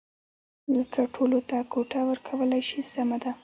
که ټولو ته کوټه ورکولای شي سمه ده.